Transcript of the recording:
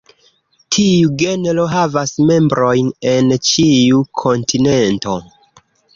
Tiu genro havas membrojn en ĉiu kontinento.